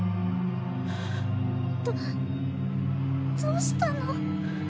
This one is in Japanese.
どどうしたの？